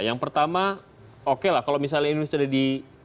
yang pertama oke lah kalau misalnya indonesia ada di